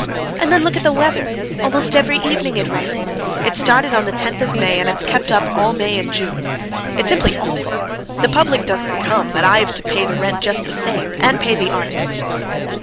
And then look at the weather! Almost every evening it rains. It started on the tenth of May, and it's kept it up all May and June. It's simply awful! The public doesn't come, but I've to pay the rent just the same, and pay the artists."